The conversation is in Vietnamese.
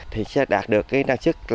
thì sẽ đạt được năng chức